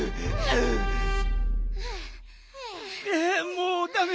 もうダメ！